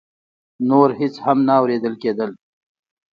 نور هېڅ هم نه اورېدل کېدل.